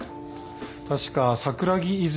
確か桜木泉